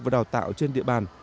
và đào tạo trên địa bàn